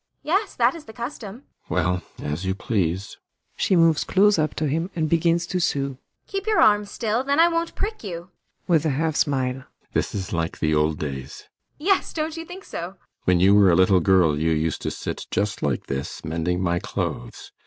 ASTA. Yes, that is the custom. ALLMERS. Well as you please. [She moves close up to him and begins to sew.] ASTA. Keep your arm still then I won't prick you. ALLMERS. [With a half smile.] This is like the old days. ASTA. Yes, don't you think so? ALLMERS. When you were a little girl you used to sit just like this, mending my clothes.